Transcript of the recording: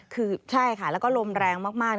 คือใช่ค่ะแล้วก็ลมแรงมาก